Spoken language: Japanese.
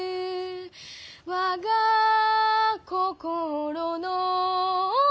「我が心の」